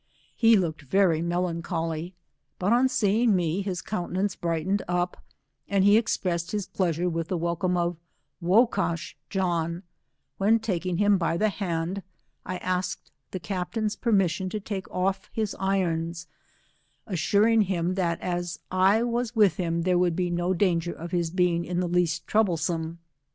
He looked very melancholy, but on seeing me, his countenance brightened up, and he expressed his pleasure with the welcome of " Wocash John;" when taking him by the hand, I asked the captain's permission to take off his irons, assuring him that as I was with him there was no danger of his being in the least troublesome.